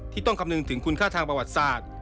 ต้องคำนึงถึงคุณค่าทางประวัติศาสตร์